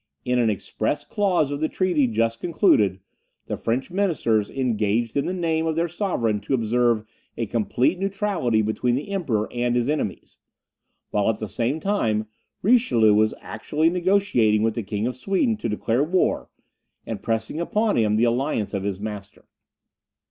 In an express clause of the treaty just concluded, the French ministers engaged in the name of their sovereign to observe a complete neutrality between the Emperor and his enemies; while, at the same time, Richelieu was actually negociating with the King of Sweden to declare war, and pressing upon him the alliance of his master.